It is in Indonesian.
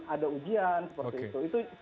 ada ujian seperti itu